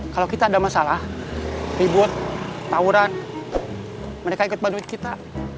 kalau kita ada masalah ribut tawuran mereka ikut badut kita